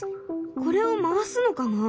これを回すのかな？